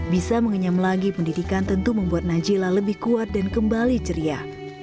bisa mengenyam lagi pendidikan tentu membuat najila lebih kuat dan kembali ceria